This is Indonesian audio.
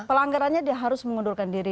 pelanggarannya dia harus mengundurkan diri